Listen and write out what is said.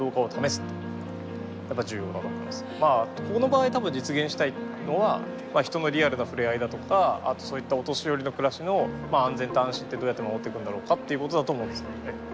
ここの場合多分実現したいのは人のリアルな触れ合いだとかあとそういったお年寄りの暮らしの安全と安心ってどうやって守っていくんだろうかっていうことだと思うんですよね。